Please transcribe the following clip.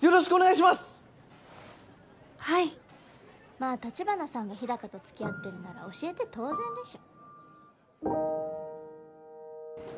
まぁ橘さんが日高と付き合ってるなら教えて当然でしょ。